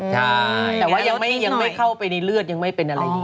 ใช่แต่ว่ายังไม่เข้าไปในเลือดยังไม่เป็นอะไร